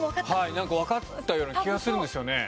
なんかわかったような気がするんですよね。